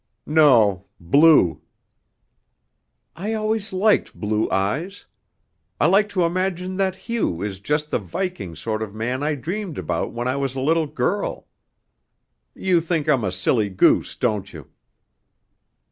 "No; blue." "I always liked blue eyes. I like to imagine that Hugh is just the Viking sort of man I dreamed about when I was a little girl. You think I'm a silly goose, don't you?"